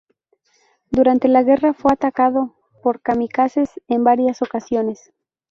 Durante la guerra fue atacado por kamikazes en varias ocasiones.